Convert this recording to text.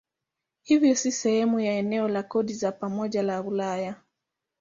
Hivyo si sehemu ya eneo la kodi za pamoja la Ulaya.